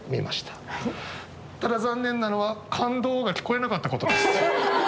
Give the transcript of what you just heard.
ただ残念なのは「感動！」が聞こえなかったこと。